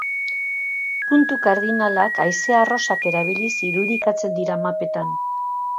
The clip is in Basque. Puntu kardinalak haize-arrosak erabiliz irudikatzen dira mapetan.